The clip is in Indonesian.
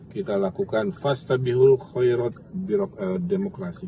kita lakukan fastabihul khairot demokrasi